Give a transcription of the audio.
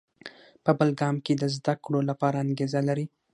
په بل ګام کې د زده کړو لپاره انګېزه لري.